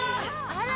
あら！